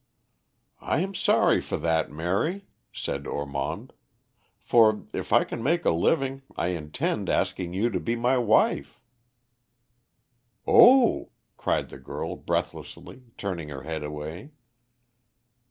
"I am sorry for that, Mary," said Ormond, "for, if I can make a living, I intend asking you to be my wife." "Oh!" cried the girl breathlessly, turning her head away.